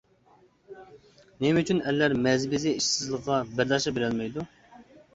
نېمە ئۈچۈن ئەرلەر «مەزى بېزى» ئىشسىزلىقىغا بەرداشلىق بېرەلمەيدۇ?